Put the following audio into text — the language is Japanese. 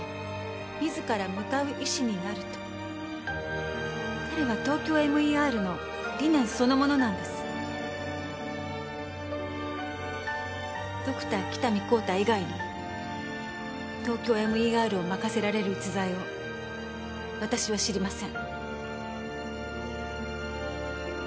「自ら向かう医師になる」と彼はＴＯＫＹＯＭＥＲの理念そのものなんですドクター喜多見幸太以外にＴＯＫＹＯＭＥＲを任せられる逸材を私は知りません